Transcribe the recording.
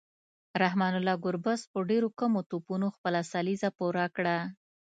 رحمان الله ګربز په ډیرو کمو توپونو خپله سلیزه پوره کړه